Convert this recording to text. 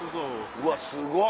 うわすごい。